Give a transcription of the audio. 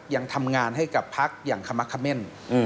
ยังทำงานให้กับพักอย่างขมักเขม่น